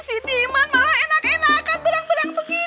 si diman malah enak enakan berang berang begitu